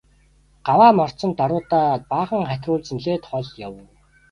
Гаваа мордсон даруйдаа баахан хатируулж нэлээд хол явав.